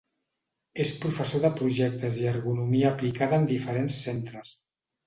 És professor de projectes i ergonomia aplicada en diferents centres.